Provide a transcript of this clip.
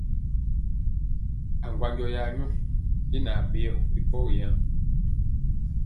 Aŋgwanjɔ ya nyɔ nɛ aɓeyɔ ri pɔgi yen.